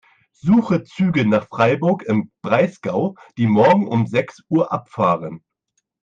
Suche Züge nach Freiburg im Breisgau, die morgen um sechs Uhr abfahren.